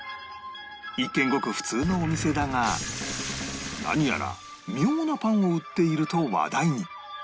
一見ごく普通のお店だが何やら妙なパンを売っていると話題に